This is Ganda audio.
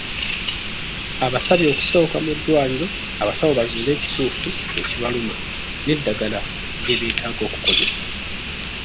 Abasabye okusooka mu ddwaliro abasawo bazuule ekituufu ekibaluma n’eddagala lye beetaaga okukozesa.